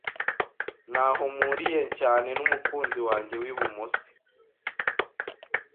Ntaho mpuriye cyane numukunzi wanjye wibumoso.